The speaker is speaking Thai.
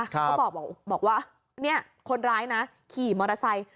ครับเขาบอกบอกว่าเนี่ยคนร้ายน่ะขี่มอเมอร์ไซต์